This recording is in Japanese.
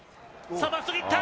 まっすぐ行った。